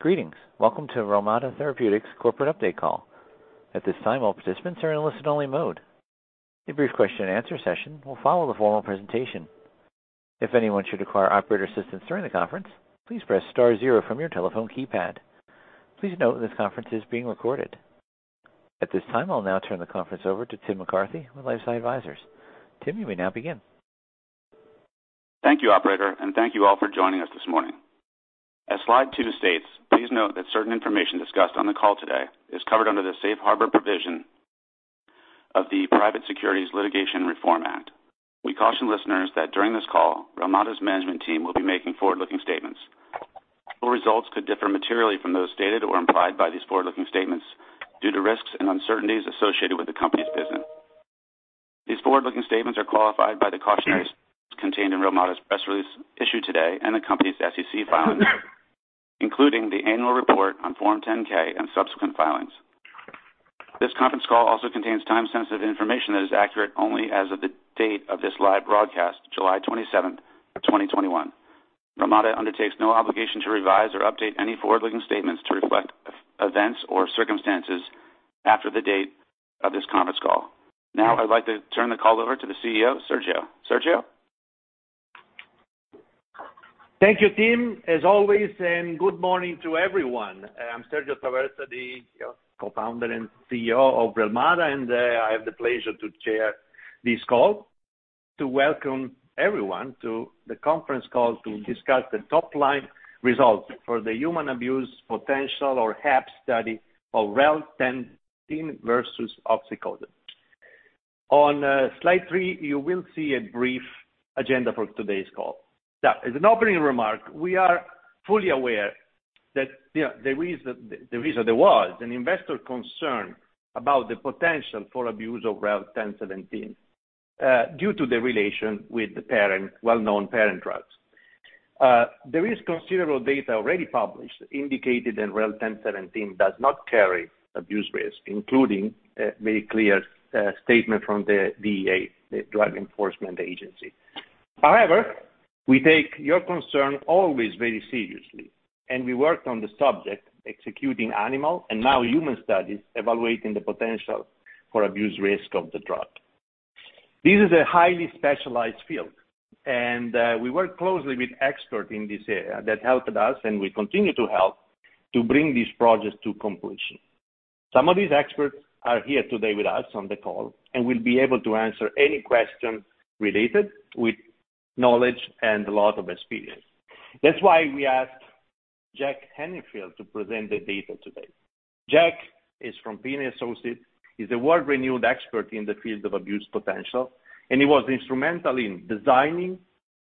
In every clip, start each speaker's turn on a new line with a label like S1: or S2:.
S1: Greetings. Welcome to Relmada Therapeutics' corporate update call. At this time all participants are in listen only mode. A question and answer session will follow after the presentation. If anyone should require operator assistance during the conference, please press star zero from your telephone keypad. Please note that this conference is being recorded. At this time, I'll now turn the conference over to Tim McCarthy with LifeSci Advisors. Tim, you may now begin.
S2: Thank you, operator, and thank you all for joining us this morning. As slide two states, please note that certain information discussed on the call today is covered under the Safe Harbor provision of the Private Securities Litigation Reform Act of 1995. We caution listeners that during this call, Relmada's management team will be making forward-looking statements. Actual results could differ materially from those stated or implied by these forward-looking statements due to risks and uncertainties associated with the company's business. These forward-looking statements are qualified by the cautionary statements contained in Relmada's press release issued today and the company's SEC filings, including the annual report on Form 10-K and subsequent filings. This conference call also contains time-sensitive information that is accurate only as of the date of this live broadcast, July 27th, 2021. Relmada undertakes no obligation to revise or update any forward-looking statements to reflect events or circumstances after the date of this conference call. I'd like to turn the call over to the CEO, Sergio. Sergio?
S3: Thank you, Tim McCarthy. As always, good morning to everyone. I'm Sergio Traversa, the Co-founder and CEO of Relmada, I have the pleasure to chair this call to welcome everyone to the conference call to discuss the top-line results for the Human Abuse Potential, or HAP, study of REL-1017 versus oxycodone. On slide three, you will see a brief agenda for today's call. As an opening remark, we are fully aware that there was an investor concern about the potential for abuse of REL-1017 due to the relation with the well-known parent drugs. There is considerable data already published indicating that REL-1017 does not carry abuse risk, including a very clear statement from the DEA, the Drug Enforcement Administration. We take your concern always very seriously, we worked on the subject, executing animal and now human studies evaluating the potential for abuse risk of the drug. This is a highly specialized field, and we work closely with experts in this area that helped us and will continue to help to bring this project to completion. Some of these experts are here today with us on the call and will be able to answer any questions related with knowledge and a lot of experience. That's why we asked Jack Henningfield to present the data today. Jack is from Pinney Associates. He's a world-renowned expert in the field of abuse potential, and he was instrumental in designing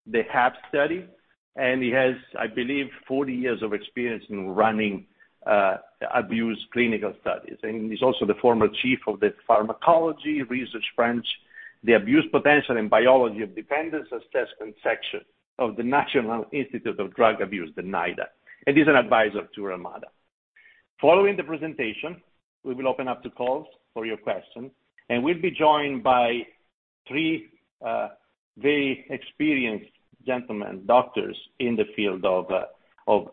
S3: the HAP study, and he has, I believe, 40 years of experience in running abuse clinical studies, and he's also the former Chief of the Pharmacology Research Branch, the Abuse Potential and Biology of Dependence Assessment section of the National Institute on Drug Abuse, the NIDA, and is an advisor to Relmada. Following the presentation, we will open up the calls for your questions. We'll be joined by three very experienced gentlemen, doctors in the field of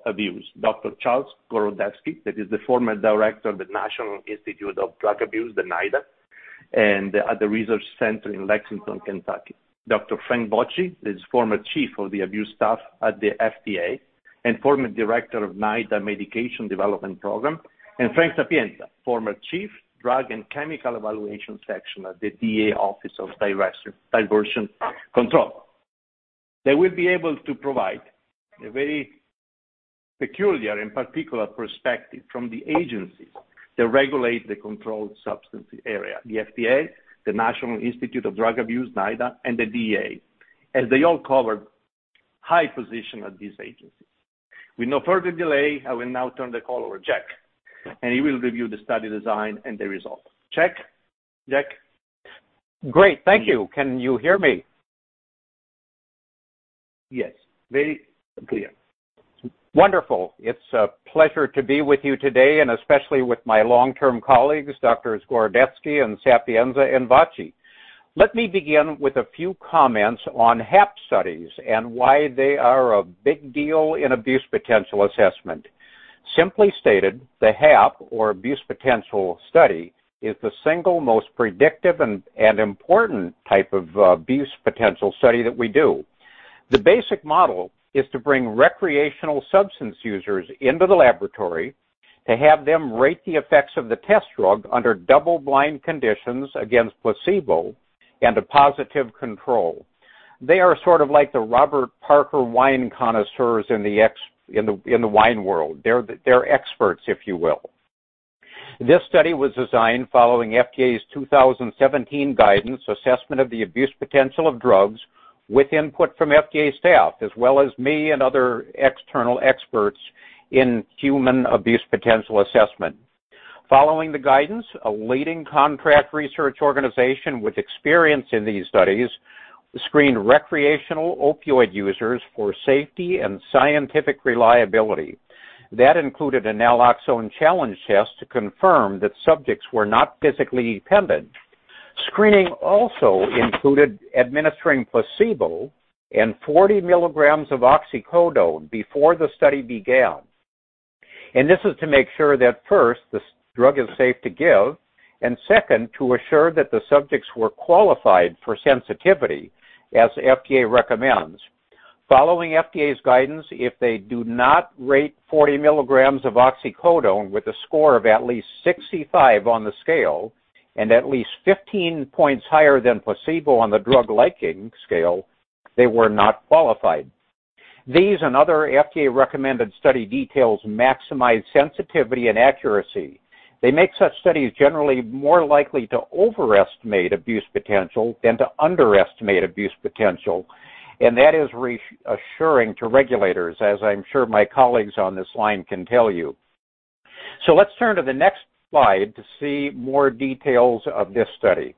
S3: abuse. Dr. Charles W. Gorodetzky, that is the former director of the National Institute on Drug Abuse, the NIDA, and at the Addiction Research Center in Lexington, Kentucky. Dr. Frank Vocci is former chief of the Drug Abuse Staff at the FDA and former director of NIDA Medication Development Program. Frank Sapienza, former chief, Drug & Chemical Evaluation Section at the DEA Diversion Control Division. They will be able to provide a very peculiar and particular perspective from the agencies that regulate the controlled substance area, the FDA, the National Institute on Drug Abuse, NIDA, and the DEA, as they all covered high positions at these agencies. With no further delay, I will now turn the call over to Jack, and he will review the study design and the results. Jack?
S4: Great. Thank you. Can you hear me?
S3: Yes. Very clear.
S4: Wonderful. It's a pleasure to be with you today, and especially with my long-term colleagues, Doctors Gorodetzky and Sapienza and Vocci. Let me begin with a few comments on HAP studies and why they are a big deal in abuse potential assessment. Simply stated, the HAP, or abuse potential study, is the single most predictive and important type of abuse potential study that we do. The basic model is to bring recreational substance users into the laboratory to have them rate the effects of the test drug under double-blind conditions against placebo and a positive control. They are sort of like the Robert Parker wine connoisseurs in the wine world. They're experts, if you will. This study was designed following FDA's 2017 guidance Assessment of Abuse Potential of Drugs with input from FDA staff, as well as me and other external experts in human abuse potential assessment. Following the guidance, a leading contract research organization with experience in these studies screened recreational opioid users for safety and scientific reliability. That included a naloxone challenge test to confirm that subjects were not physically dependent. Screening also included administering placebo and 40 mg of oxycodone before the study began. This is to make sure that first, the drug is safe to give, and second, to assure that the subjects were qualified for sensitivity as FDA recommends. Following FDA's guidance, if they do not rate 40 mg of oxycodone with a score of at least 65 on the scale, and at least 15 points higher than placebo on the drug liking scale, they were not qualified. These and other FDA-recommended study details maximize sensitivity and accuracy. They make such studies generally more likely to overestimate abuse potential than to underestimate abuse potential, and that is reassuring to regulators, as I'm sure my colleagues on this line can tell you. Let's turn to the next slide to see more details of this study.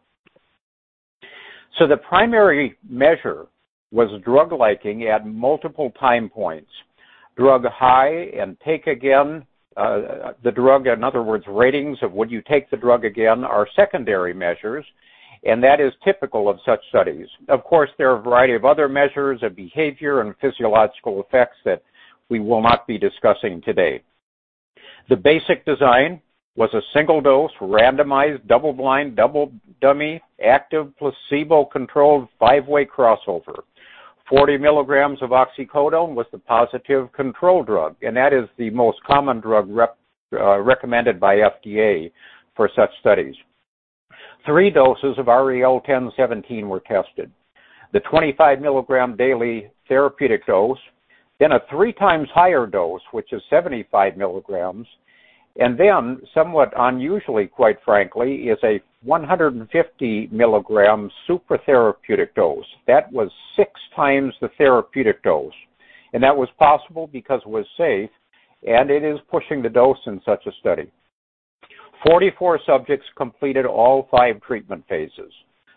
S4: The primary measure was drug liking at multiple time points. Drug high and take again the drug, in other words, ratings of would you take the drug again, are secondary measures, and that is typical of such studies. Of course, there are a variety of other measures of behavior and physiological effects that we will not be discussing today. The basic design was a single dose, randomized, double blind, double dummy, active placebo-controlled, five-way crossover. 40 mg of oxycodone was the positive control drug, and that is the most common drug recommended by FDA for such studies. Three doses of REL-1017 were tested. The 25 mg daily therapeutic dose, then a three times higher dose, which is 75 mg, and then somewhat unusually, quite frankly, is a 150 mg super therapeutic dose. That was six times the therapeutic dose. That was possible because it was safe, and it is pushing the dose in such a study. 44 subjects completed all five treatment phases.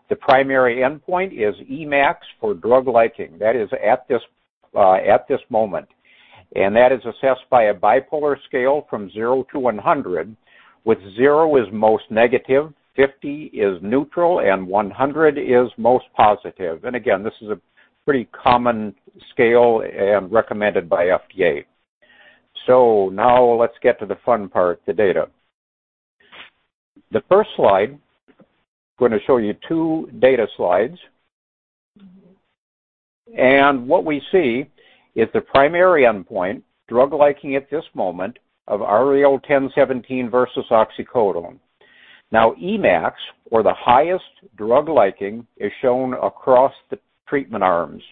S4: The primary endpoint is Emax for drug liking. That is at this moment. That is assessed by a bipolar scale from 0-100, with zero is most negative, 50 is neutral, and 100 is most positive. Again, this is a pretty common scale and recommended by FDA. Now let's get to the fun part, the data. The first slide, going to show you two data slides. What we see is the primary endpoint, drug liking at this moment of REL-1017 versus oxycodone. Emax, or the highest drug liking, is shown across the treatment arms.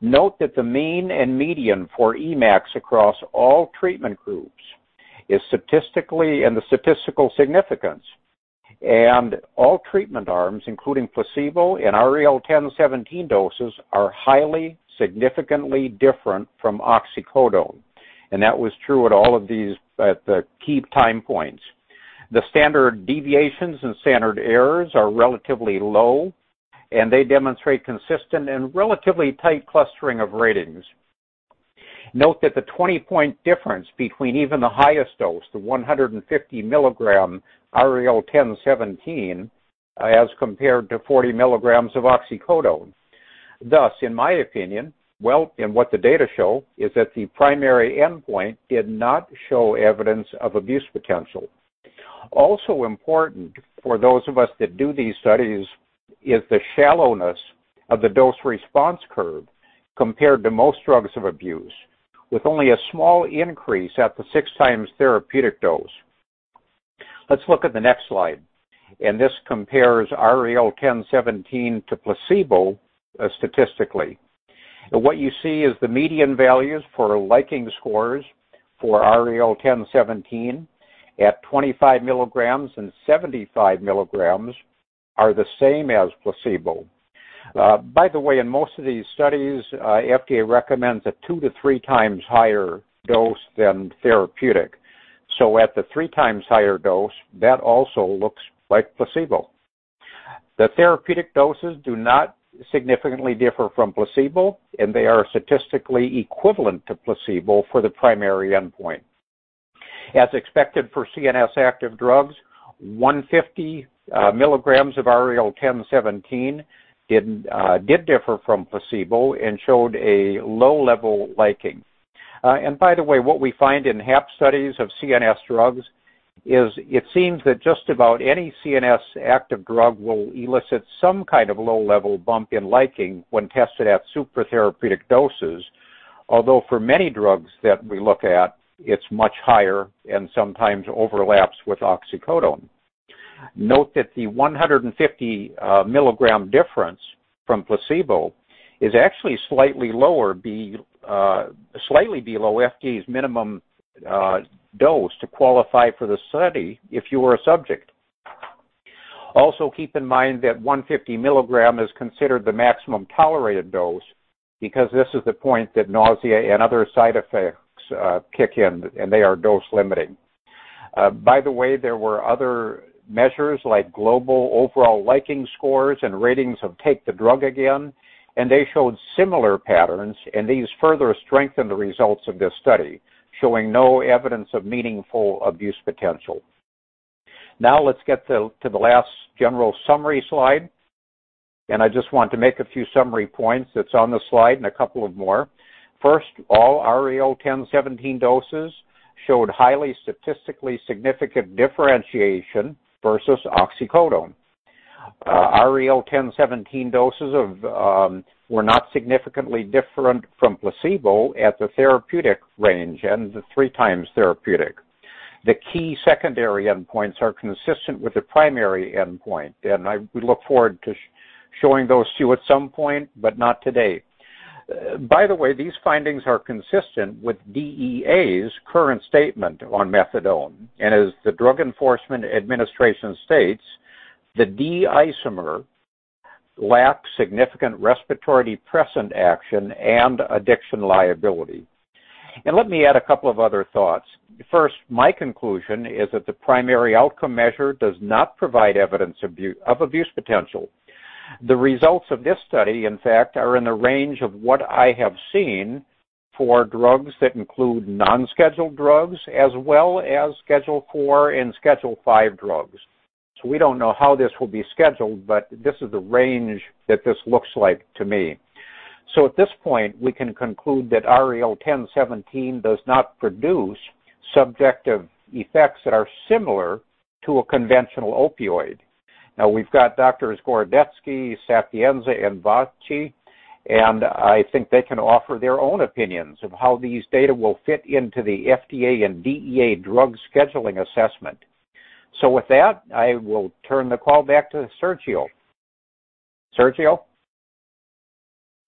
S4: Note that the mean and median for Emax across all treatment groups is statistically in the statistical significance. All treatment arms, including placebo and REL-1017 doses, are highly significantly different from oxycodone. That was true at the key time points. The standard deviations and standard errors are relatively low, and they demonstrate consistent and relatively tight clustering of ratings. Note that the 20 point difference between even the highest dose, the 150 mg REL-1017, as compared to 40 mg of oxycodone. In my opinion, well, and what the data show, is that the primary endpoint did not show evidence of abuse potential. Also important for those of us that do these studies is the shallowness of the dose response curve compared to most drugs of abuse. With only a small increase at the 6x therapeutic dose. Let's look at the next slide. This compares REL-1017 to placebo statistically. What you see is the median values for liking scores for REL-1017 at 25 mg and 75 mg are the same as placebo. By the way, in most of these studies, FDA recommends a 2x-3x higher dose than therapeutic. At the 3x higher dose, that also looks like placebo. The therapeutic doses do not significantly differ from placebo, and they are statistically equivalent to placebo for the primary endpoint. As expected for CNS active drugs, 150 mg of REL-1017 did differ from placebo and showed a low-level liking. By the way, what we find in HAP studies of CNS drugs is it seems that just about any CNS active drug will elicit some kind of low-level bump in liking when tested at super therapeutic doses. For many drugs that we look at, it's much higher and sometimes overlaps with oxycodone. Note that the 150 mg difference from placebo is actually slightly below FDA's minimum dose to qualify for the study if you were a subject. Keep in mind that 150 mg is considered the maximum tolerated dose because this is the point that nausea and other side effects kick in, and they are dose limiting. By the way, there were other measures like global overall liking scores and ratings of take the drug again. They showed similar patterns, these further strengthen the results of this study, showing no evidence of meaningful abuse potential. Let's get to the last general summary slide. I just want to make a few summary points that's on the slide and a couple of more. First, all REL-1017 doses showed highly statistically significant differentiation versus oxycodone. REL-1017 doses were not significantly different from placebo at the therapeutic range and the 3x therapeutic. The key secondary endpoints are consistent with the primary endpoint, and we look forward to showing those to you at some point, but not today. By the way, these findings are consistent with DEA's current statement on methadone. As the Drug Enforcement Administration states, the D-isomer lacks significant respiratory depressant action and addiction liability. Let me add a couple of other thoughts. First, my conclusion is that the primary outcome measure does not provide evidence of abuse potential. The results of this study, in fact, are in the range of what I have seen for drugs that include non-scheduled drugs, as well as Schedule IV and Schedule V drugs. We don't know how this will be scheduled, but this is the range that this looks like to me. At this point, we can conclude that REL-1017 does not produce subjective effects that are similar to a conventional opioid. Now we've got Drs. Gorodetzky, Sapienza, and Vocci, and I think they can offer their own opinions of how these data will fit into the FDA and DEA drug scheduling assessment. With that, I will turn the call back to Sergio. Sergio?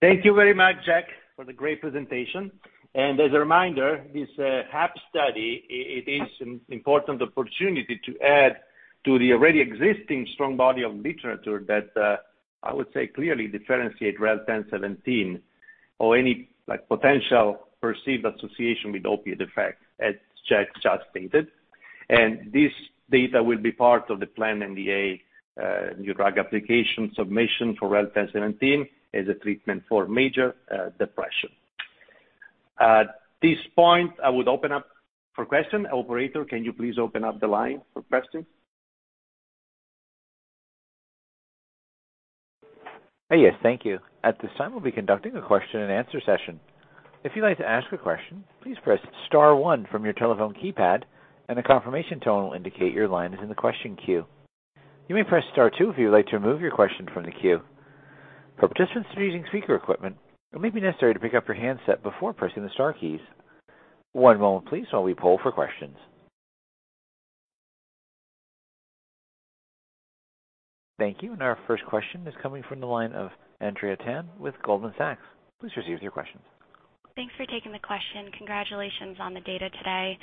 S3: Thank you very much, Jack, for the great presentation. As a reminder, this HAP study, it is an important opportunity to add to the already existing strong body of literature that I would say clearly differentiates REL-1017 or any potential perceived association with opioid effects, as Jack just stated. This data will be part of the planned NDA, New Drug Application submission for REL-1017 as a treatment for major depression. At this point, I would open up for questions. Operator, can you please open up the line for questions?
S1: Yes, thank you. At this time, we'll be conducting a question and answer session. If you'd like to ask a question, please press star one from your telephone keypad and a confirmation tone will indicate your line is in the question queue. You may press star two if you would like to remove your question from the queue. For participants that are using speaker equipment, it may be necessary to pick up your handset before pressing the star keys. One moment please while we poll for questions. Thank you. Our first question is coming from the line of Andrea Tan with Goldman Sachs. Please proceed with your questions.
S5: Thanks for taking the question. Congratulations on the data today.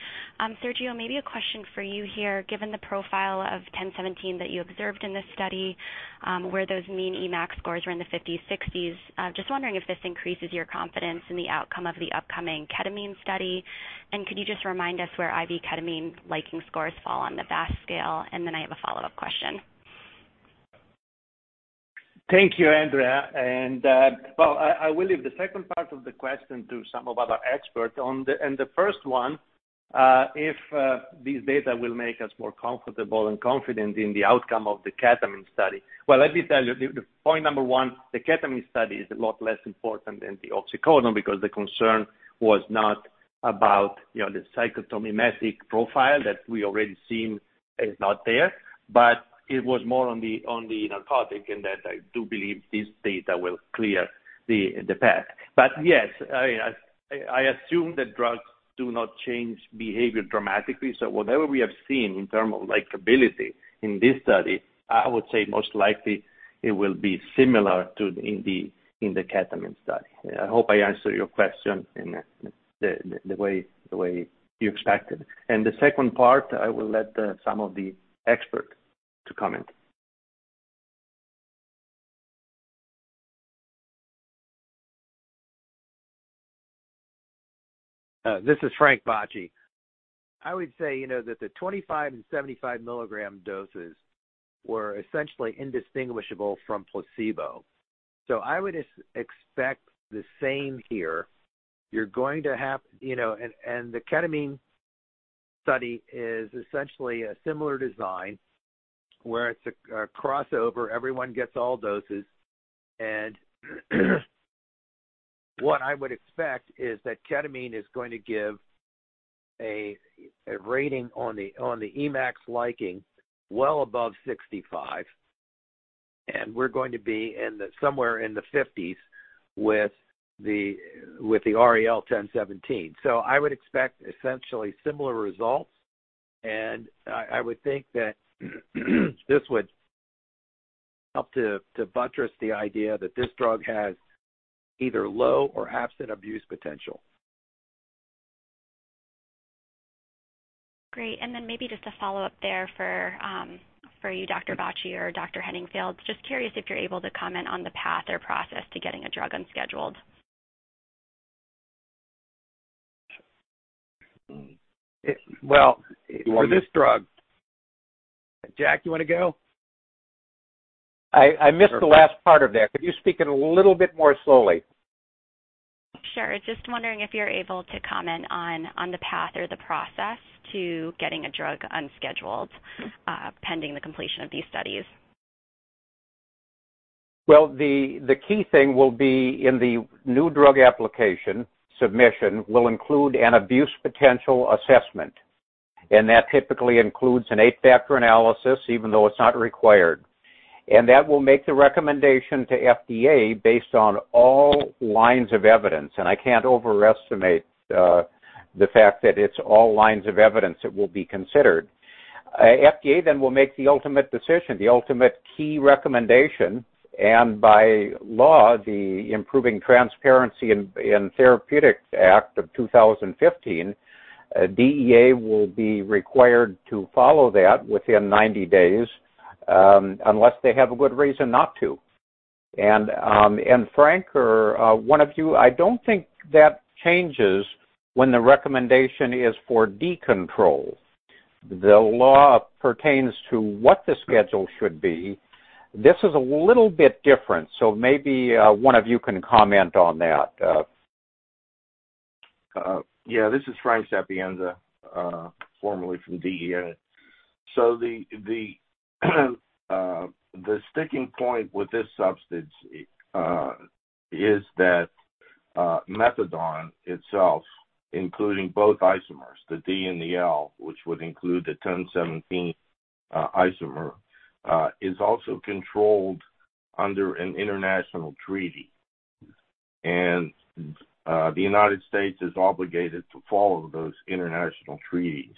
S5: Sergio, maybe a question for you here. Given the profile of REL-1017 that you observed in this study, where those mean Emax scores were in the 50s, 60s, just wondering if this increases your confidence in the outcome of the upcoming ketamine study. Could you just remind us where IV ketamine liking scores fall on the VAS scale? I have a follow-up question.
S3: Thank you, Andrea. Well, I will leave the second part of the question to some of our experts. On the first one, if this data will make us more comfortable and confident in the outcome of the ketamine study? Well, let me tell you, the point one, the ketamine study is a lot less important than the oxycodone because the concern was not about the psychotomimetic profile that we already seen is not there. It was more on the narcotic, that I do believe this data will clear the path. Yes, I assume that drugs do not change behavior dramatically. Whatever we have seen in terms of likability in this study, I would say most likely it will be similar to in the ketamine study. I hope I answered your question in the way you expected. The second part, I will let some of the experts to comment.
S6: This is Frank Vocci. I would say that the 25 mg and 75 mg doses were essentially indistinguishable from placebo. I would expect the same here. The ketamine study is essentially a similar design, where it's a crossover. Everyone gets all doses. What I would expect is that ketamine is going to give a rating on the Emax liking well above 65, and we're going to be somewhere in the 50s with the REL-1017. I would expect essentially similar results, and I would think that this would help to buttress the idea that this drug has either low or absent abuse potential.
S5: Great, maybe just a follow-up there for you, Dr. Vocci or Dr. Henningfield. Just curious if you're able to comment on the path or process to getting a drug unscheduled.
S6: Well, for this drug, Jack, you want to go?
S4: I missed the last part of that. Could you speak it a little bit more slowly?
S5: Sure. I was just wondering if you're able to comment on the path or the process to getting a drug unscheduled, pending the completion of these studies.
S4: Well, the key thing will be in the new drug application submission will include an abuse potential assessment, and that typically includes an eight-factor analysis, even though it is not required. That will make the recommendation to FDA based on all lines of evidence, and I can't overestimate the fact that it is all lines of evidence that will be considered. FDA will make the ultimate decision, the ultimate key recommendation, and by law, the Improving Regulatory Transparency for New Medical Therapies Act of 2015, DEA will be required to follow that within 90 days, unless they have a good reason not to. Frank or one of you, I don't think that changes when the recommendation is for decontrol. The law pertains to what the schedule should be. This is a little bit different, maybe one of you can comment on that.
S7: This is Frank Sapienza, formerly from DEA. The sticking point with this substance is that methadone itself, including both isomers, the D and the L, which would include the 1017 isomer, is also controlled under an international treaty. The United States is obligated to follow those international treaties.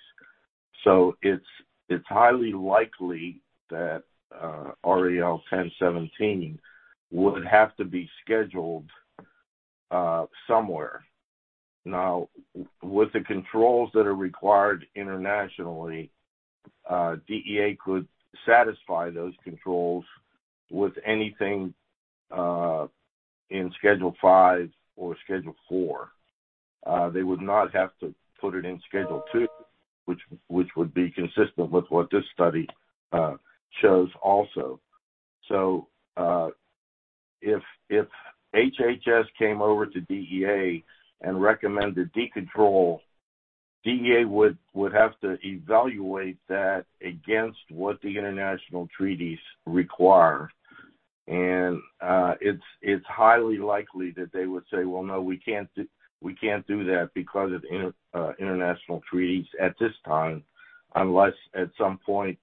S7: It's highly likely that REL-1017 would have to be scheduled somewhere. Now, with the controls that are required internationally, DEA could satisfy those controls with anything in Schedule V or Schedule IV. They would not have to put it in Schedule II, which would be consistent with what this study shows also. If HHS came over to DEA and recommended decontrol, DEA would have to evaluate that against what the international treaties require. It's highly likely that they would say, "Well, no, we can't do that because of international treaties at this time," unless at some point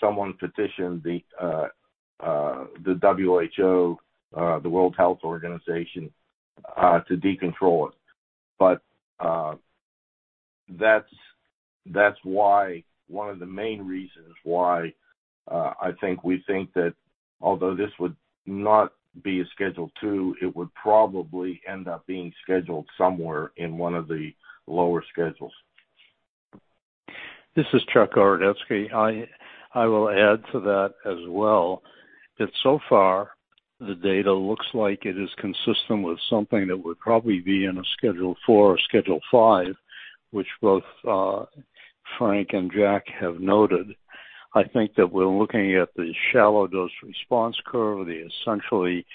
S7: someone petitioned the WHO, the World Health Organization, to decontrol it. That's one of the main reasons why I think we think that although this would not be a Schedule II, it would probably end up being scheduled somewhere in one of the lower schedules.
S8: This is Chuck Gorodetzky. I will add to that as well, that so far the data looks like it is consistent with something that would probably be in a Schedule IV or Schedule V, which both Frank and Jack have noted. I think that we're looking at the shallow dose response curve, the essentially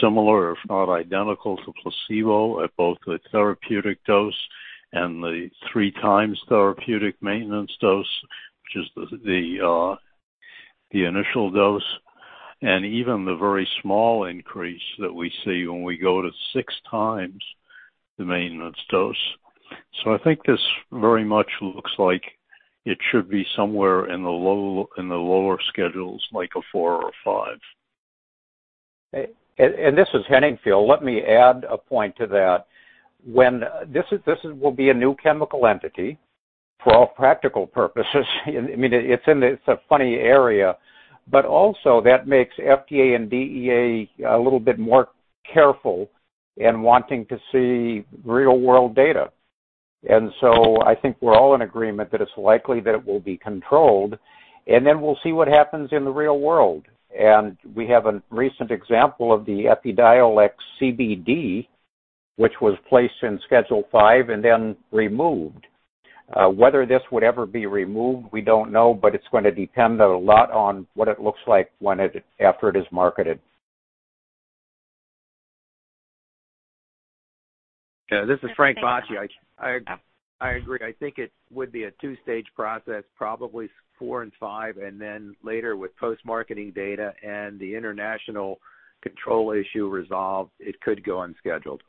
S8: similar, if not identical to placebo at both the therapeutic dose and the 3x therapeutic maintenance dose, which is the initial dose, and even the very small increase that we see when we go to 6x the maintenance dose. I think this very much looks like it should be somewhere in the lower schedules, like a IV or a V.
S4: This is Henningfield. Let me add a point to that. This will be a new chemical entity for all practical purposes. It's a funny area, but also that makes FDA and DEA a little bit more careful in wanting to see real world data. I think we're all in agreement that it's likely that it will be controlled, and then we'll see what happens in the real world. We have a recent example of the EPIDIOLEX CBD, which was placed in Schedule V and then removed. Whether this would ever be removed, we don't know, but it's going to depend a lot on what it looks like after it is marketed.
S6: This is Frank Vocci. I agree. I think it would be a two-stage process, probably IV and V, and then later with post-marketing data and the international control issue resolved, it could go unscheduled.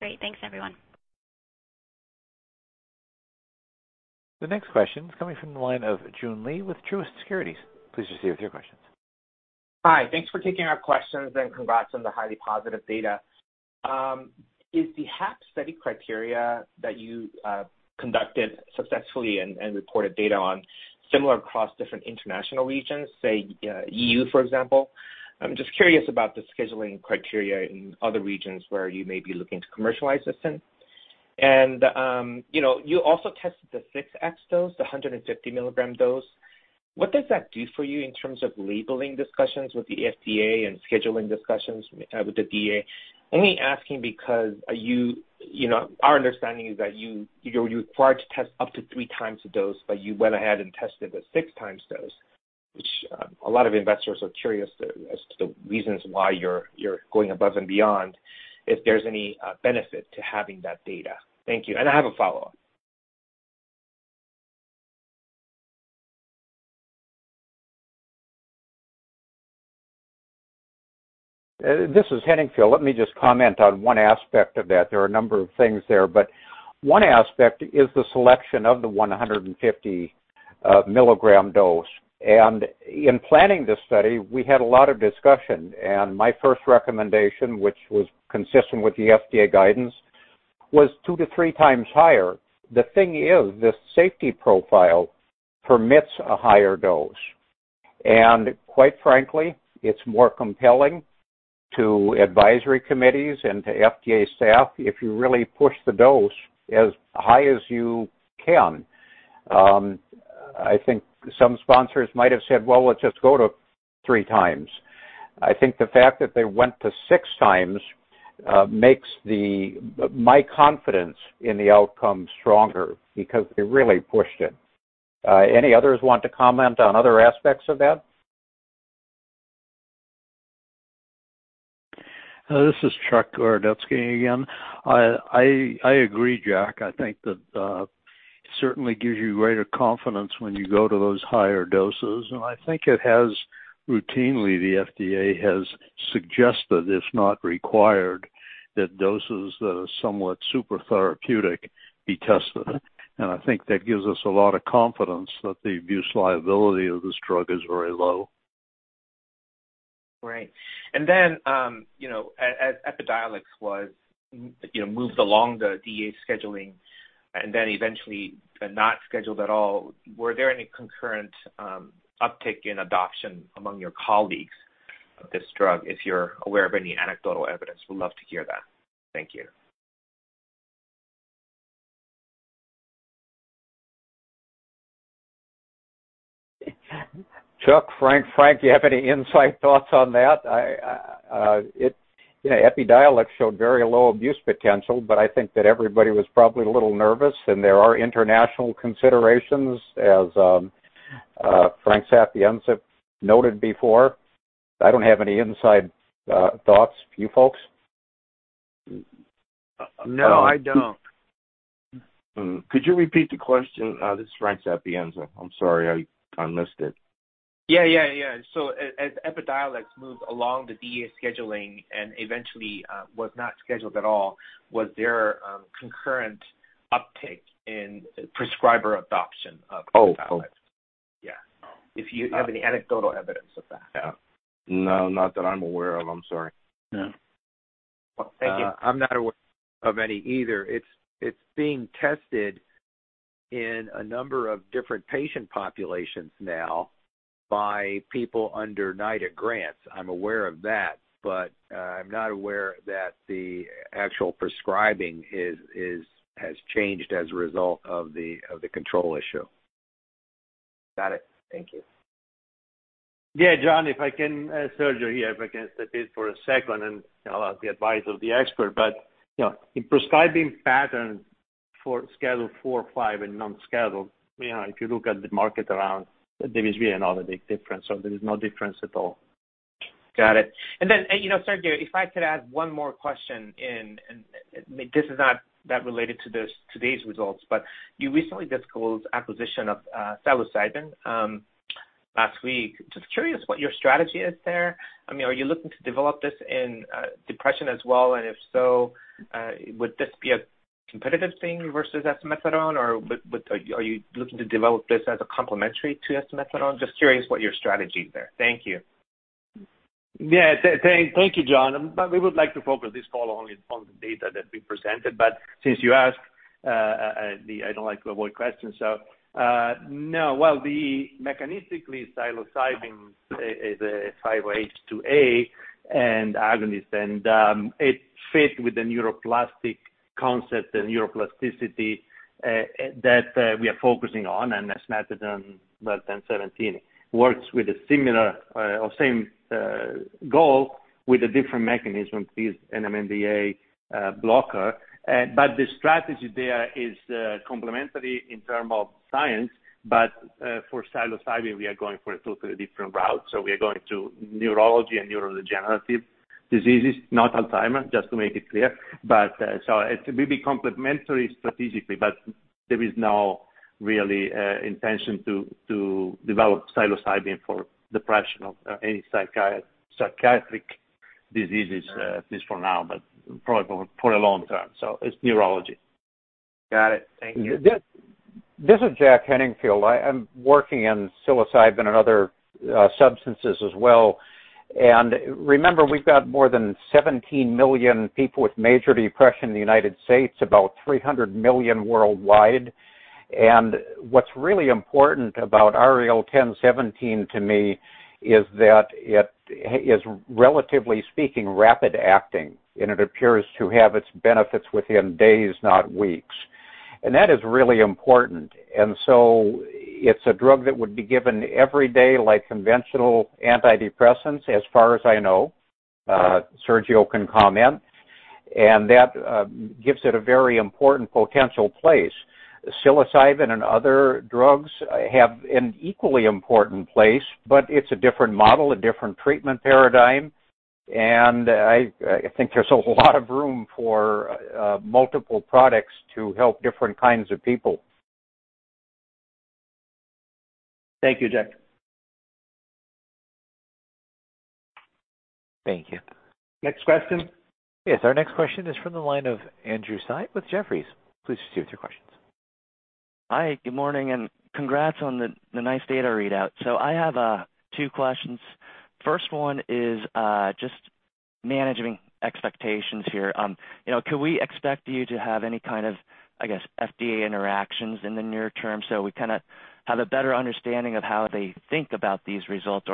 S5: Great. Thanks, everyone.
S1: The next question is coming from the line of Joon Lee with Truist Securities. Please proceed with your questions.
S9: Hi. Thanks for taking our questions. Congrats on the highly positive data. Is the HAP study criteria that you conducted successfully and reported data on similar across different international regions, say, EU, for example? I'm just curious about the scheduling criteria in other regions where you may be looking to commercialize this in. You also tested the 6x dose, the 150 mg dose. What does that do for you in terms of labeling discussions with the FDA and scheduling discussions with the DEA? Only asking because our understanding is that you're required to test up to 3x the dose, but you went ahead and tested the 6x dose. Which a lot of investors are curious as to the reasons why you're going above and beyond, if there's any benefit to having that data. Thank you. I have a follow-up.
S4: This is Henningfield. Let me just comment on one aspect of that. There are a number of things there, but one aspect is the selection of the 150 mg dose. In planning this study, we had a lot of discussion, and my first recommendation, which was consistent with the FDA guidance, was 2x-3x higher. The thing is, this safety profile permits a higher dose. Quite frankly, it's more compelling to advisory committees and to FDA staff if you really push the dose as high as you can. I think some sponsors might have said, "Well, let's just go to 3x." I think the fact that they went to 6x makes my confidence in the outcome stronger because they really pushed it. Any others want to comment on other aspects of that?
S8: This is Chuck Gorodetzky again. I agree, Jack. I think that it certainly gives you greater confidence when you go to those higher doses, and I think it has routinely, the FDA has suggested, if not required, that doses that are somewhat super therapeutic be tested. I think that gives us a lot of confidence that the abuse liability of this drug is very low.
S9: Right. As EPIDIOLEX was moved along the DEA scheduling and then eventually not scheduled at all, were there any concurrent uptick in adoption among your colleagues of this drug? If you're aware of any anecdotal evidence, would love to hear that. Thank you.
S4: Chuck, Frank. Frank, you have any inside thoughts on that? EPIDIOLEX showed very low abuse potential, but I think that everybody was probably a little nervous, and there are international considerations as Frank Sapienza noted before. I don't have any inside thoughts. You folks?
S6: No, I don't.
S7: Could you repeat the question? This is Frank Sapienza. I'm sorry, I missed it.
S9: Yeah. As EPIDIOLEX moved along the DEA scheduling and eventually was not scheduled at all, was there a concurrent uptick in prescriber adoption of EPIDIOLEX?
S7: Oh.
S9: Yeah. If you have any anecdotal evidence of that.
S7: No, not that I'm aware of. I'm sorry.
S9: No. Thank you.
S6: I'm not aware of any either. It's being tested in a number of different patient populations now by people under NIDA grants. I'm aware of that, but I'm not aware that the actual prescribing has changed as a result of the control issue.
S9: Got it. Thank you.
S3: Yeah, Joon, if I can, Sergio here, if I can step in for one second and allow the advice of the expert. Yeah, in prescribing patterns for Schedule IV, V, and non-scheduled, if you look at the market around, there is really not a big difference, or there is no difference at all.
S9: Got it. Then Sergio, if I could add one more question in, and this is not that related to today's results, but you recently disclosed acquisition of psilocybin last week. Curious what your strategy is there. Are you looking to develop this in depression as well, and if so, would this be a competitive thing versus esketamine, or are you looking to develop this as a complementary to esketamine? Curious what your strategy is there. Thank you.
S3: Yeah. Thank you, Joon. We would like to focus this call only on the data that we presented. Since you asked, I don't like to avoid questions. No. Well, mechanistically, psilocybin is a 5-HT2A agonist, and it fit with the neuroplastic concept and neuroplasticity that we are focusing on, and esketamine REL-1017 works with a similar or same goal with a different mechanism. It is an NMDA blocker. The strategy there is complementary in term of science. For psilocybin, we are going for a totally different route. We are going to neurology and neurodegenerative diseases, not Alzheimer's, just to make it clear. It will be complementary strategically, but there is no really intention to develop psilocybin for depression or any psychiatric diseases, at least for now, but probably for a long time. It's neurology.
S9: Got it. Thank you.
S4: This is Jack Henningfield. I'm working on psilocybin and other substances as well. Remember, we've got more than 17 million people with major depression in the United States, about 300 million worldwide. What's really important about REL-1017 to me is that it is, relatively speaking, rapid acting, and it appears to have its benefits within days, not weeks. That is really important. It's a drug that would be given every day like conventional antidepressants, as far as I know. Sergio can comment. That gives it a very important potential place. Psilocybin and other drugs have an equally important place, but it's a different model, a different treatment paradigm, and I think there's a lot of room for multiple products to help different kinds of people.
S10: Thank you, Jack. Thank you.
S3: Next question.
S1: Yes, our next question is from the line of Andrew Tsai with Jefferies. Please proceed with your questions. Hi, good morning. Congrats on the nice data readout. I have two questions. First one is just managing expectations here. Can we expect you to have any kind of, I guess, FDA interactions in the near term so we kind of have a better understanding of how they think about these results?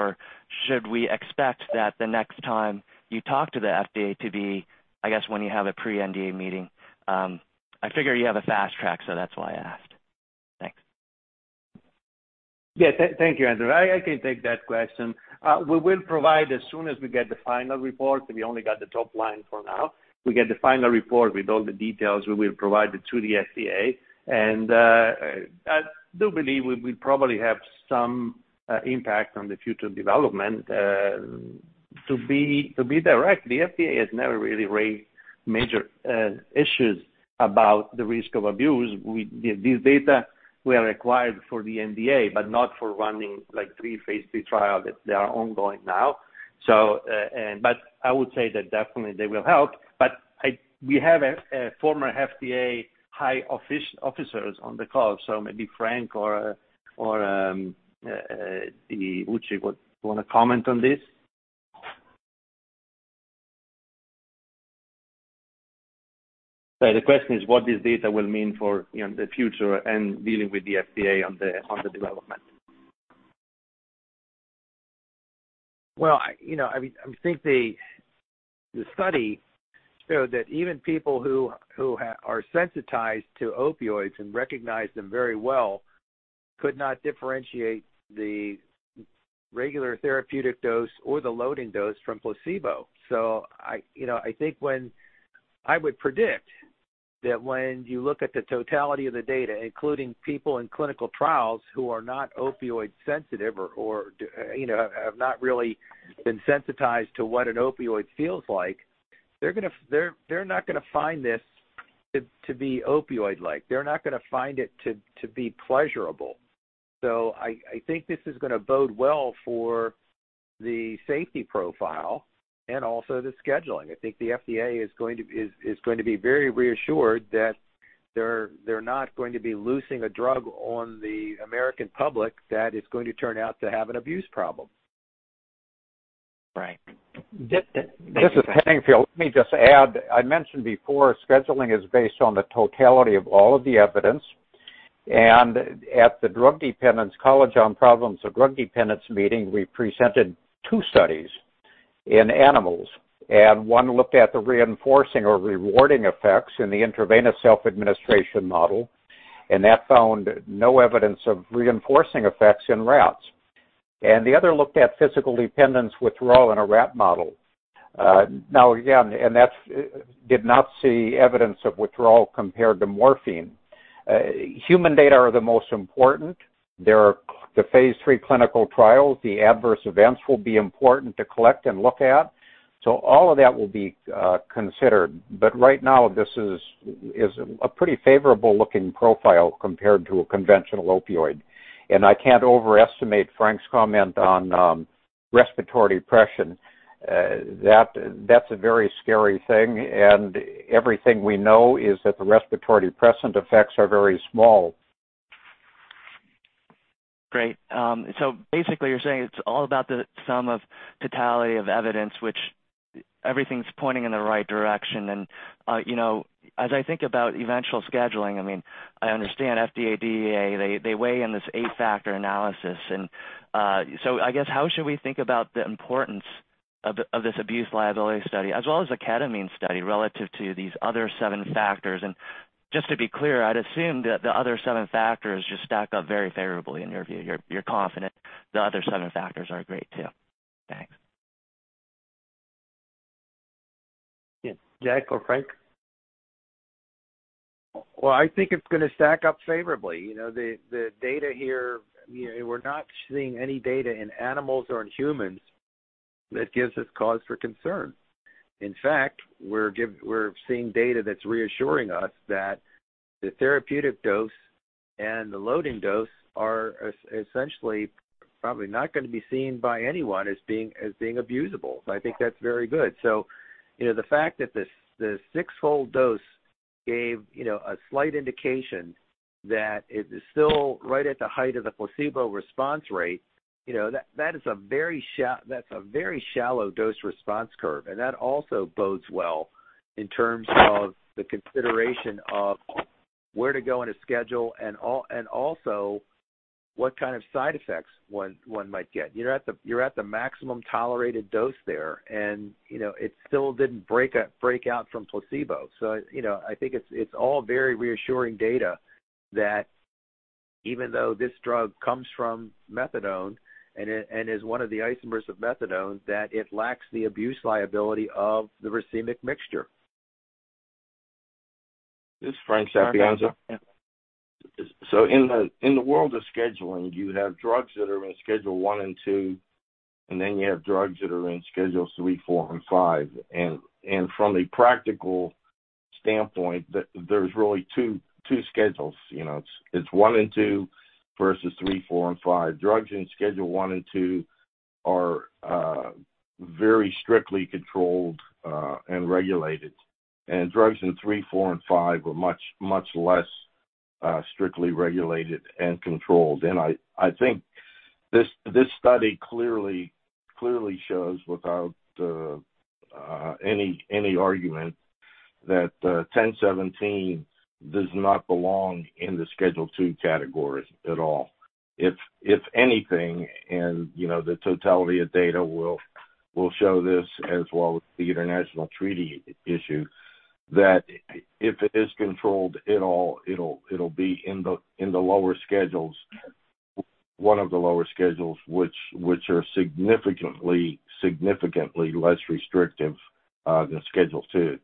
S1: Should we expect that the next time you talk to the FDA to be, I guess, when you have a pre-NDA meeting? I figure you have a fast track, so that's why I asked. Thanks.
S3: Yeah. Thank you, Andrew. I can take that question. We will provide as soon as we get the final report, we only got the top line for now. We get the final report with all the details, we will provide it to the FDA, I do believe we probably have some impact on the future development. To be direct, the FDA has never really raised major issues about the risk of abuse. These data were required for the NDA, not for running three phase III trial that they are ongoing now. I would say that definitely they will help. We have a former FDA high officers on the call, maybe Frank or Vocci would want to comment on this. The question is what this data will mean for the future and dealing with the FDA on the development.
S6: I would think the study showed that even people who are sensitized to opioids and recognize them very well could not differentiate the regular therapeutic dose or the loading dose from placebo. I think I would predict that when you look at the totality of the data, including people in clinical trials who are not opioid sensitive or have not really been sensitized to what an opioid feels like, they're not going to find this to be opioid-like. They're not going to find it to be pleasurable. I think this is going to bode well for the safety profile and also the scheduling. I think the FDA is going to be very reassured that they're not going to be loosing a drug on the American public that is going to turn out to have an abuse problem.
S10: Right.
S4: This is Henningfield. Let me just add, I mentioned before, scheduling is based on the totality of all of the evidence. At the College on Problems of Drug Dependence meeting, we presented two studies in animals. One looked at the reinforcing or rewarding effects in the intravenous self-administration model. That found no evidence of reinforcing effects in rats. The other looked at physical dependence withdrawal in a rat model. Again, that did not see evidence of withdrawal compared to morphine. Human data are the most important. There are the phase III clinical trials. The adverse events will be important to collect and look at. All of that will be considered. Right now, this is a pretty favorable-looking profile compared to a conventional opioid. I can't overestimate Frank's comment on respiratory depression. That's a very scary thing, and everything we know is that the respiratory depressant effects are very small.
S10: Great. Basically you're saying it's all about the sum of totality of evidence, which everything's pointing in the right direction. As I think about eventual scheduling, I mean, I understand FDA, DEA, they weigh in this eight-factor analysis. I guess, how should we think about the importance of this abuse liability study as well as the ketamine study relative to these other seven factors? Just to be clear, I'd assume that the other seven factors just stack up very favorably in your view. You're confident the other seven factors are great, too. Thanks.
S3: Yeah. Jack or Frank?
S4: Well, I think it's going to stack up favorably. The data here, we're not seeing any data in animals or in humans that gives us cause for concern. In fact, we're seeing data that's reassuring us that the therapeutic dose and the loading dose are essentially probably not going to be seen by anyone as being abusable. I think that's very good. The fact that the six-fold dose gave a slight indication that it is still right at the height of the placebo response rate, that's a very shallow dose response curve, and that also bodes well in terms of the consideration of where to go in a schedule and also what kind of side effects one might get. You're at the maximum tolerated dose there, and it still didn't break out from placebo. I think it's all very reassuring data that even though this drug comes from methadone and is one of the isomers of methadone, that it lacks the abuse liability of the racemic mixture.
S7: This is Frank Sapienza. In the world of scheduling, you have drugs that are in Schedule I and II, and then you have drugs that are in Schedules III, IV, and V. From a practical standpoint, there's really two schedules. It's one and two versus III, IV, and V. Drugs in Schedule I and II are very strictly controlled and regulated. Drugs in III, IV, and V are much less strictly regulated and controlled. I think this study clearly shows, without any argument, that REL-1017 does not belong in the Schedule II category at all. If anything, and the totality of data will show this as well as the international treaty issue, that if it is controlled at all, it'll be in the lower schedules. One of the lower schedules, which are significantly less restrictive than Schedule II.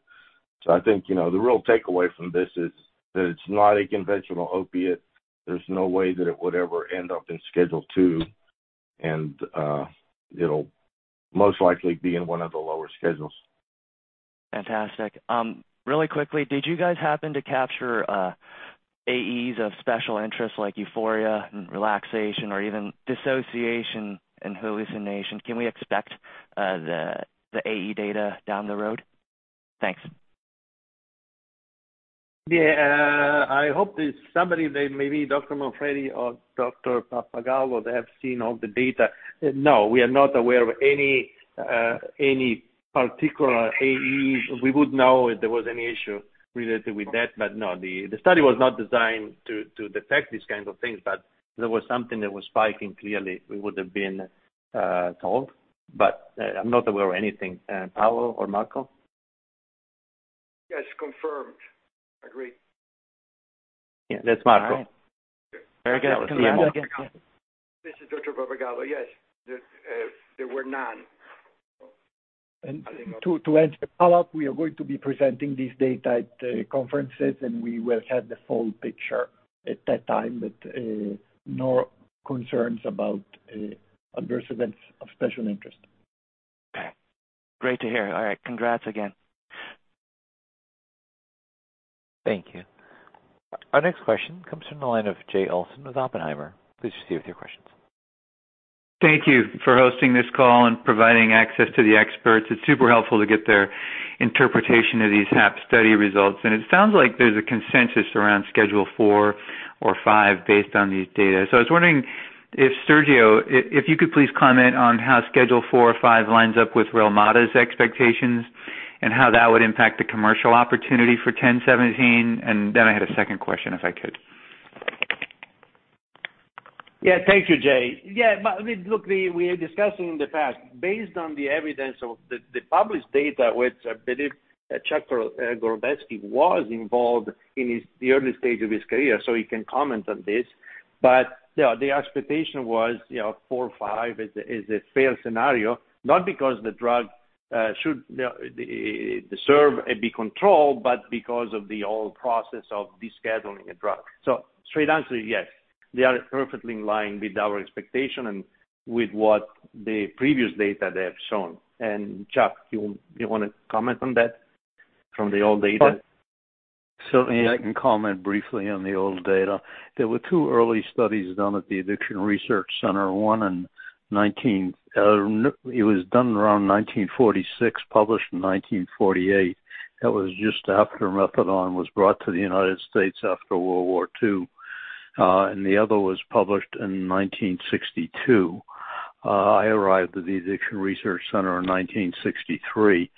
S7: I think, the real takeaway from this is that it's not a conventional opiate. There's no way that it would ever end up in Schedule II. It'll most likely be in one of the lower schedules.
S10: Fantastic. Really quickly, did you guys happen to capture AEs of special interest, like euphoria and relaxation or even dissociation and hallucination? Can we expect the AE data down the road? Thanks.
S3: I hope there's somebody, maybe Paolo Manfredi or Marco Pappagallo, that have seen all the data. We are not aware of any particular AEs. We would know if there was any issue related with that. The study was not designed to detect these kinds of things. If there was something that was spiking, clearly, we would've been told. I'm not aware of anything. Paolo or Marco?
S11: Yes. Confirmed. Agree.
S3: That's Marco.
S10: All right. Very good.
S11: See you. This is Marco Pappagallo. Yes. There were none. To answer the follow-up, we are going to be presenting this data at conferences, and we will have the full picture at that time. No concerns about adverse events of special interest.
S10: Great to hear. All right. Congrats again.
S1: Thank you. Our next question comes from the line of Jay Olson with Oppenheimer. Please proceed with your questions.
S12: Thank you for hosting this call and providing access to the experts. It's super helpful to get their interpretation of these HAP study results. It sounds like there's a consensus around Schedule IV or V based on these data. I was wondering if, Sergio, if you could please comment on how Schedule IV or V lines up with Relmada's expectations and how that would impact the commercial opportunity for REL-1017. I had a second question, if I could.
S3: Thank you, Jay. Look, we are discussing in the past. Based on the evidence of the published data, which I believe, Chuck Gorodetzky was involved in the early stage of his career, so he can comment on this. The expectation was, four or five is a fair scenario, not because the drug should deserve and be controlled, but because of the whole process of descheduling a drug. Straight answer is yes. They are perfectly in line with our expectation and with what the previous data they have shown. Chuck, you want to comment on that from the old data?
S8: Certainly, I can comment briefly on the old data. There were two early studies done at the Addiction Research Center. One was done around 1946, published in 1948. That was just after methadone was brought to the United States after World War II. The other was published in 1962. I arrived at the Addiction Research Center in 1963.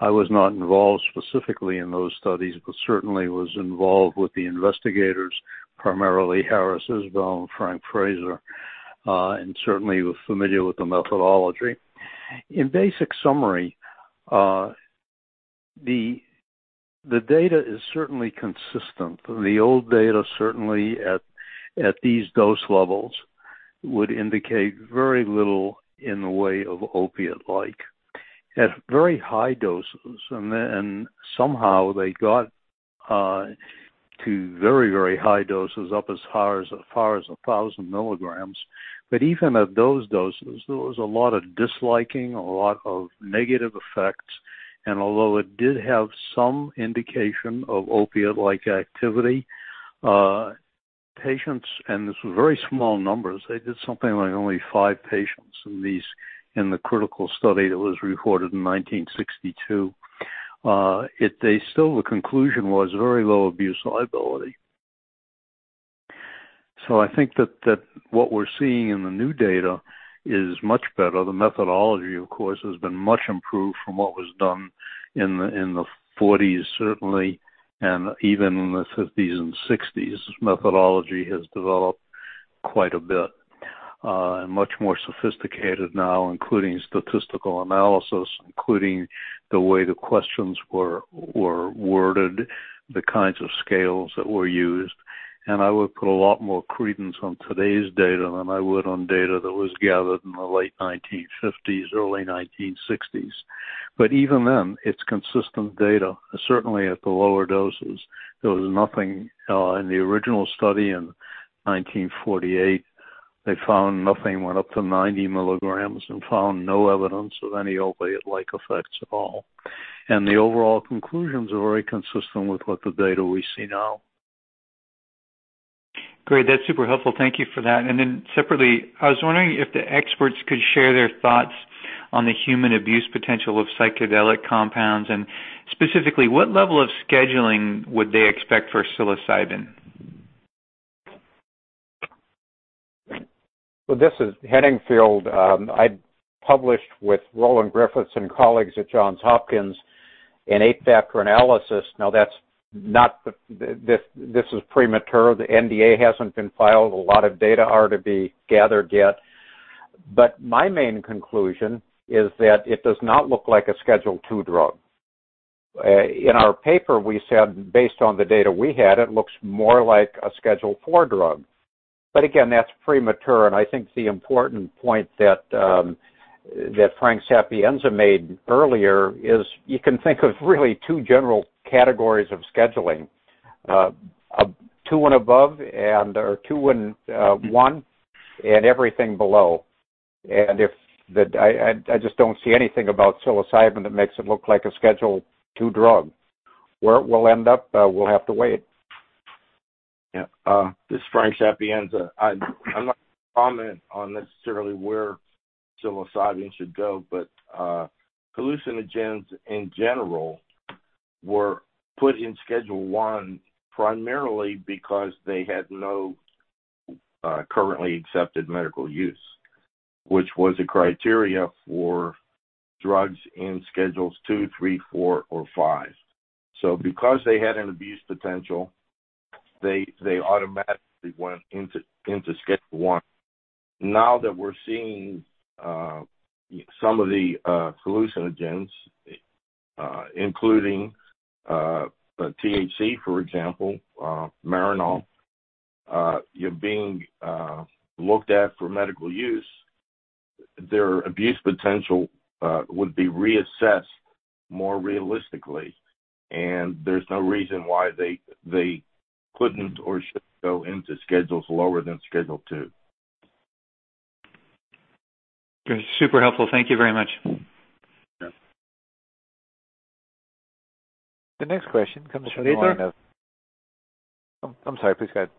S8: I was not involved specifically in those studies, but certainly was involved with the investigators, primarily Harris Isbell and Frank Fraser, and certainly was familiar with the methodology. In basic summary, the data is certainly consistent. The old data, certainly at these dose levels, would indicate very little in the way of opiate-like. At very high doses, and then somehow they got to very high doses, up as far as 1,000 mg. Even at those doses, there was a lot of disliking, a lot of negative effects. Although it did have some indication of opiate-like activity, patients, and this was very small numbers, they did something like only five patients in the critical study that was reported in 1962. Still, the conclusion was very low abuse liability. I think that what we're seeing in the new data is much better. The methodology, of course, has been much improved from what was done in the 1940s, certainly, and even in the 1950s and 1960s. Methodology has developed quite a bit and much more sophisticated now, including statistical analysis, including the way the questions were worded, the kinds of scales that were used. I would put a lot more credence on today's data than I would on data that was gathered in the late 1950s, early 1960s. Even then, it's consistent data. Certainly, at the lower doses, there was nothing in the original study in 1948. They found nothing, went up to 90 mg, and found no evidence of any opioid-like effects at all. The overall conclusions are very consistent with the data we see now.
S12: Great. That's super helpful. Thank you for that. Separately, I was wondering if the experts could share their thoughts on the human abuse potential of psychedelic compounds, and specifically, what level of scheduling would they expect for psilocybin?
S4: This is Jack Henningfield. I published with Roland Griffiths and colleagues at Johns Hopkins an eight-factor analysis. This is premature. The NDA hasn't been filed. A lot of data are to be gathered yet. My main conclusion is that it does not look like a Schedule II drug. In our paper, we said, based on the data we had, it looks more like a Schedule IV drug. Again, that's premature, and I think the important point that Frank Sapienza made earlier is you can think of really two general categories of scheduling. Schedule II and above, or Schedule II and Schedule I, and everything below. I just don't see anything about psilocybin that makes it look like a Schedule II drug. Where it will end up, we'll have to wait.
S7: This is Frank Sapienza. I'm not going to comment on necessarily where psilocybin should go, but hallucinogens, in general, were put in Schedule I primarily because they had no currently accepted medical use, which was a criteria for drugs in Schedules II, III, IV, or V. Because they had an abuse potential, they automatically went into Schedule I. Now that we're seeing some of the hallucinogens, including THC, for example, Marinol, being looked at for medical use, their abuse potential would be reassessed more realistically, and there's no reason why they couldn't or shouldn't go into schedules lower than Schedule II.
S12: Super helpful. Thank you very much.
S7: Yeah.
S1: The next question comes from the line of.
S3: Operator.
S1: I'm sorry, please go ahead.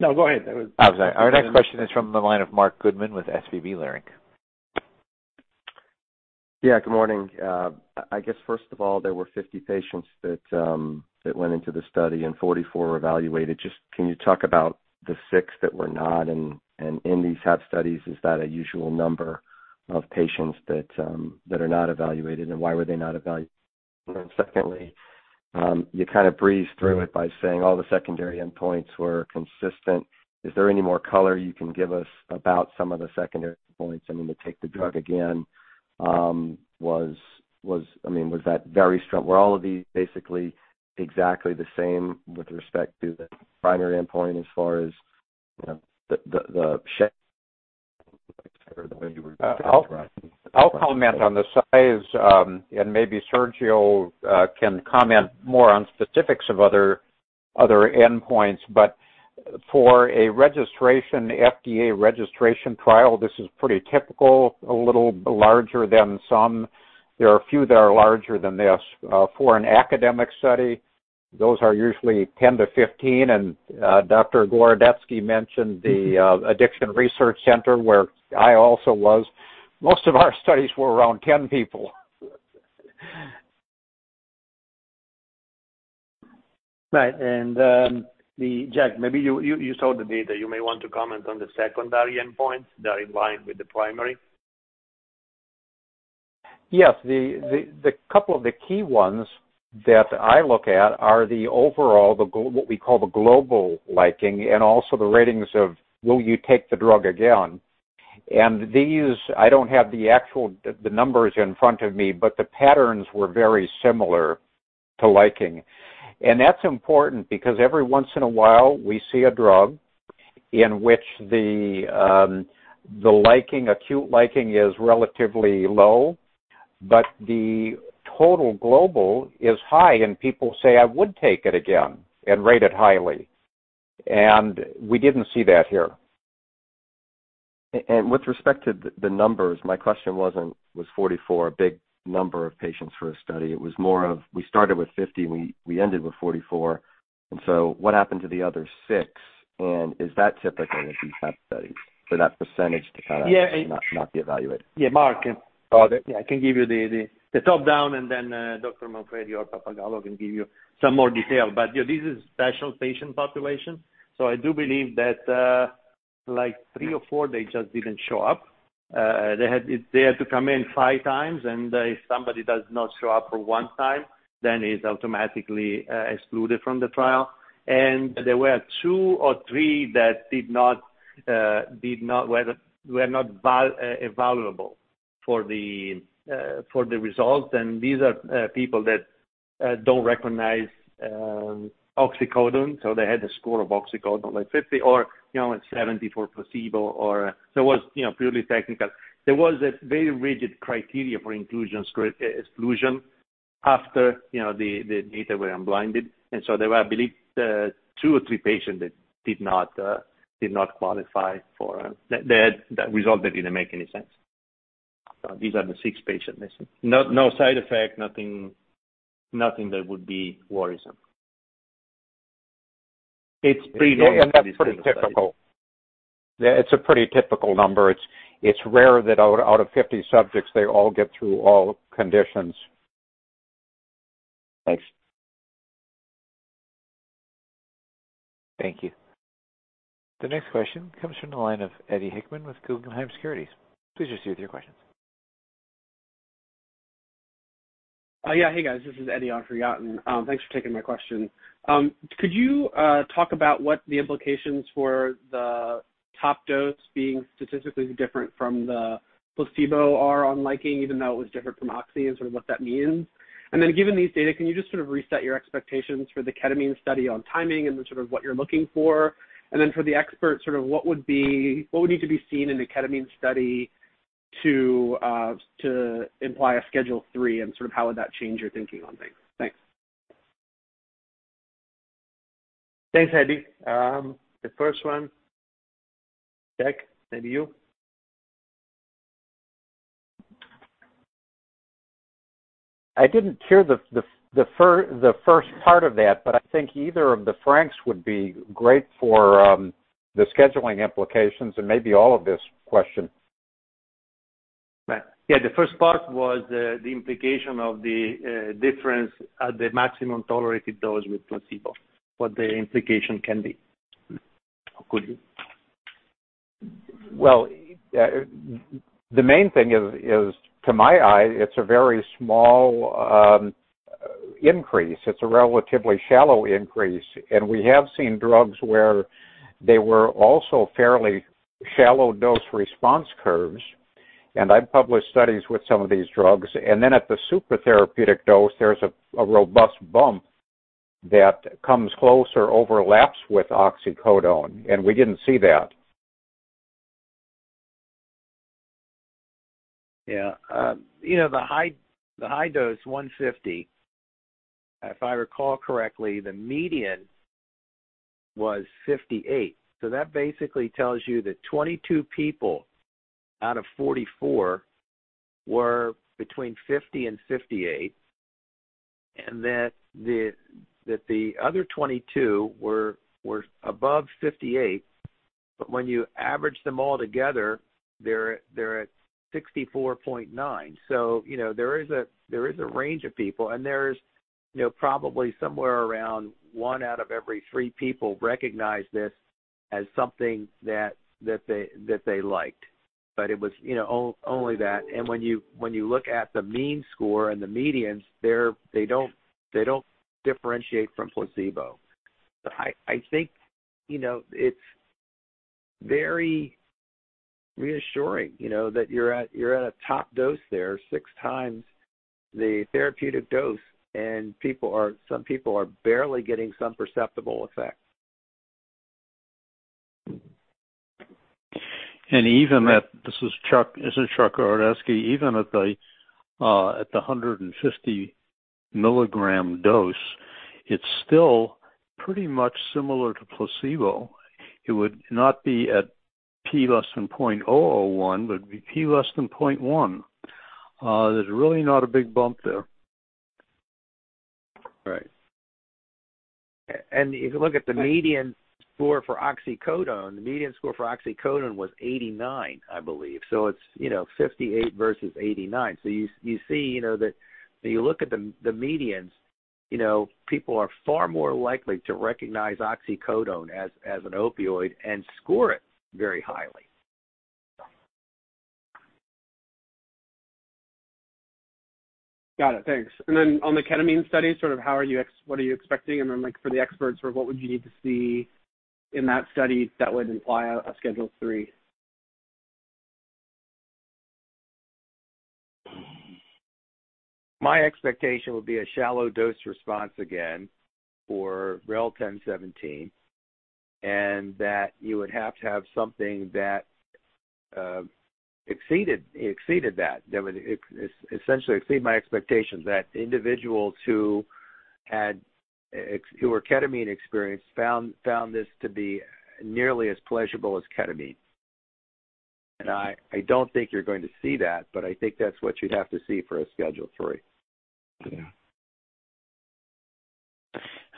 S3: No, go ahead.
S1: I'm sorry. Our next question is from the line of Marc Goodman with Leerink Partners.
S13: Yeah. Good morning. I guess first of all, there were 50 patients that went into the study, and 44 were evaluated. Just can you talk about the six that were not? In these type studies, is that a usual number of patients that are not evaluated, and why were they not evaluated? Secondly, you kind of breezed through it by saying all the secondary endpoints were consistent. Is there any more color you can give us about some of the secondary endpoints? I mean, to take the drug again, were all of these basically exactly the same with respect to the primary endpoint as far as the shape
S4: I'll comment on the size, and maybe Sergio can comment more on specifics of other endpoints. For a FDA registration trial, this is pretty typical. A little larger than some. There are few that are larger than this. For an academic study, those are usually 10-15. Dr. Gorodetzky mentioned the Addiction Research Center, where I also was. Most of our studies were around 10 people.
S3: Right. Jack, maybe you saw the data. You may want to comment on the secondary endpoints that are in line with the primary.
S4: Yes. Couple of the key ones that I look at are the overall, what we call the global liking, and also the ratings of will you take the drug again. These, I don't have the actual numbers in front of me, but the patterns were very similar to liking. That's important because every once in a while, we see a drug in which the acute liking is relatively low, but the total global is high, and people say, "I would take it again," and rate it highly. We didn't see that here.
S13: With respect to the numbers, my question wasn't, was 44 a big number of patients for a study? It was more of, we started with 50, and we ended with 44. What happened to the other six? Is that typical in these type studies for that percentage to kind of not be evaluated?
S3: Yeah. Marc, I can give you the top-down, Paolo Manfredi or Marco Pappagallo can give you some more detail. This is special patient population. I do believe that three or four, they just didn't show up. They had to come in 5x, and if somebody does not show up for 1x, is automatically excluded from the trial. There were two or three that were not evaluable for the results. These are people that don't recognize oxycodone, they had the score of oxycodone, like 50 or 70 for placebo or it was purely technical. There was a very rigid criteria for inclusion exclusion after the data were unblinded. There were, I believe, two or three patients. That result didn't make any sense. These are the six patient missing. No side effect, nothing that would be worrisome. It's pretty normal for these kind of studies.
S4: Yeah. That's pretty typical. Yeah, it's a pretty typical number. It's rare that out of 50 subjects, they all get through all conditions.
S13: Thanks.
S1: Thank you. The next question comes from the line of Eddie Hickman with Guggenheim Securities. Please proceed with your questions.
S14: Yeah. Hey, guys, this is Eddie. Thanks for taking my question. Could you talk about what the implications for the top dose being statistically different from the placebo are on liking, even though it was different from oxy, and sort of what that means? Given these data, can you just sort of reset your expectations for the ketamine study on timing and then sort of what you're looking for? For the expert, sort of what would need to be seen in the ketamine study to imply a Schedule III, and sort of how would that change your thinking on things? Thanks.
S3: Thanks, Eddie. The first one, Jack, maybe you.
S4: I didn't hear the first part of that, but I think either of the Franks would be great for the scheduling implications and maybe all of this question.
S3: Yeah, the first part was the implication of the difference at the maximum tolerated dose with placebo, what the implication can be.
S4: Well, the main thing is, to my eye, it's a very small increase. It's a relatively shallow increase. We have seen drugs where they were also fairly shallow dose response curves. I've published studies with some of these drugs. Then at the supratherapeutic dose, there's a robust bump that comes close or overlaps with oxycodone. We didn't see that.
S6: Yeah. The high dose 150, if I recall correctly, the median was 58. That basically tells you that 22 people out of 44 were between 50 and 58, and that the other 22 were above 58. When you average them all together, they're at 64.9. There is a range of people, and there is probably somewhere around one out of every three people recognized this as something that they liked. It was only that. When you look at the mean score and the medians, they don't differentiate from placebo. I think it's very reassuring that you're at a top dose there, 6x the therapeutic dose, and some people are barely getting some perceptible effect.
S8: Even that, this is Chuck Gorodetzky, even at the 150 mg dose, it's still pretty much similar to placebo. It would not be at T less than 0.001, but it'd be T less than 0.1. There's really not a big bump there.
S6: Right. If you look at the median score for oxycodone, the median score for oxycodone was 89, I believe. It's 58 versus 89. You see, when you look at the medians, people are far more likely to recognize oxycodone as an opioid and score it very highly.
S14: Got it. Thanks. On the ketamine study, sort of what are you expecting? For the experts, what would you need to see in that study that would imply a Schedule III?
S6: My expectation would be a shallow dose response again for REL-1017, and that you would have to have something that exceeded that. That would essentially exceed my expectations, that individuals who were ketamine experienced found this to be nearly as pleasurable as ketamine. I don't think you're going to see that, but I think that's what you'd have to see for a Schedule III.
S8: Yeah.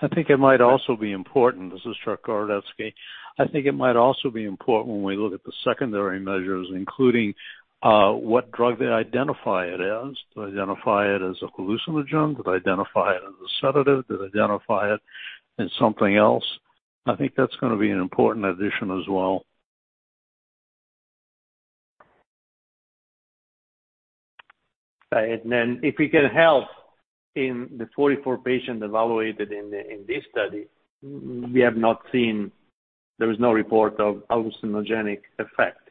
S8: I think it might also be important, this is Chuck Gorodezky. I think it might also be important when we look at the secondary measures, including what drug they identify it as. Do they identify it as a hallucinogen? Do they identify it as a sedative? Do they identify it as something else? I think that's going to be an important addition as well.
S3: If we can help in the 44 patients evaluated in this study, we have not seen, there is no report of hallucinogenic effect.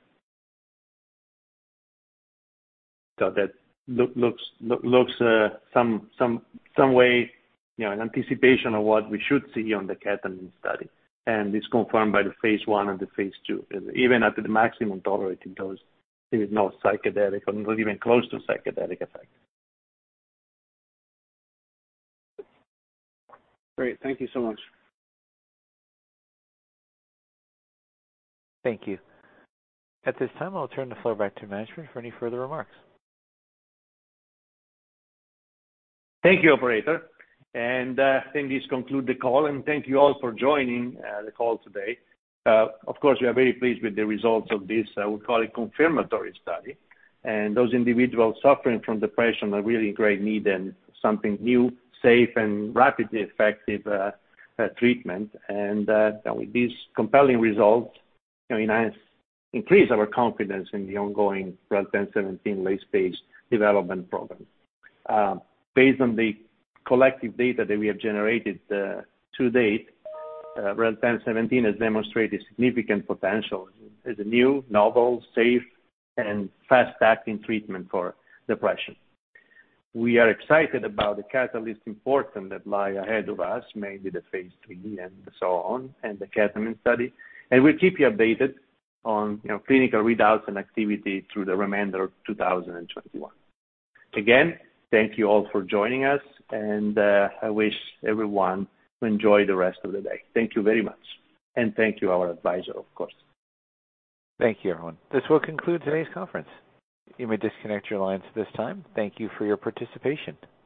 S3: That looks some way, an anticipation of what we should see on the ketamine study. It's confirmed by the phase I and the phase II. Even at the maximum tolerated dose, there is no psychedelic or not even close to psychedelic effect.
S14: Great. Thank you so much.
S1: Thank you. At this time, I'll turn the floor back to management for any further remarks.
S3: Thank you, operator. I think this concludes the call, and thank you all for joining the call today. Of course, we are very pleased with the results of this, I would call it confirmatory study. Those individuals suffering from depression are really in great need in something new, safe, and rapidly effective treatment. With these compelling results, it has increased our confidence in the ongoing REL-1017 late-stage development program. Based on the collective data that we have generated to date, REL-1017 has demonstrated significant potential as a new, novel, safe, and fast-acting treatment for depression. We are excited about the catalyst important that lie ahead of us, mainly the phase III and so on, and the ketamine study. We'll keep you updated on clinical readouts and activity through the remainder of 2021. Thank you all for joining us, and I wish everyone to enjoy the rest of the day. Thank you very much. Thank you, our advisor, of course.
S1: Thank you, everyone. This will conclude today's conference. You may disconnect your lines at this time. Thank you for your participation.